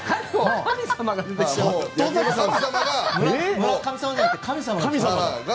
村神様じゃなくて神様が。